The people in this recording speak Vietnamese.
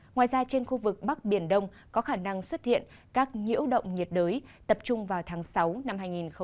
ngoài ra trên khu vực bắc biển đông có khả năng xuất hiện các nhiễu động nhiệt đới tập trung vào tháng sáu năm hai nghìn hai mươi